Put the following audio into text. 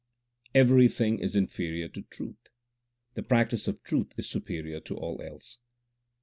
Everything is inferior to truth ; the practice of truth is superior to all else.